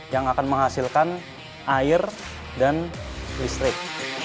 yang akan menghasilkan air dan listrik